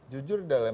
jujur dalam penelitian